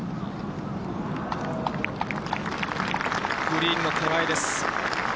グリーンの手前です。